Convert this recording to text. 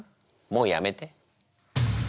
もうやめて。